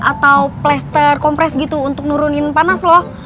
atau plaster kompres gitu untuk nurunin panas loh